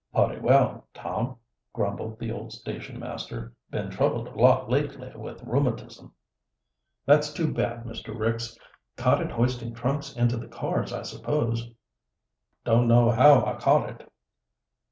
"Putty well, Tom," grumbled the old station master. "Been troubled a lot lately with rheumatism." "That's too bad, Mr. Ricks. Caught it hoisting trunks into the cars, I suppose." "Don't know how I caught it."